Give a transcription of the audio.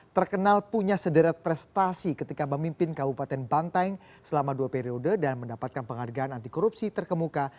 terkenal punya sederet prestasi ketika memimpin kabupaten banteng selama dua periode dan mendapatkan penghargaan anti korupsi terkemuka